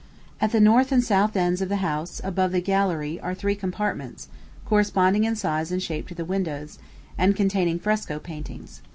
"At the north and south ends of the house, above the gallery, are three compartments, corresponding in size and shape to the windows, and containing fresco paintings.